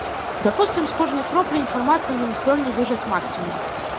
Дапусцім, з кожнай кроплі інфармацыі ён здольны выжаць максімум.